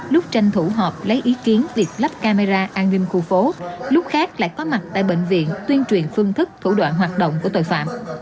lúc tranh thủ họp lấy ý kiến việc lắp camera an ninh khu phố lúc khác lại có mặt tại bệnh viện tuyên truyền phương thức thủ đoạn hoạt động của tội phạm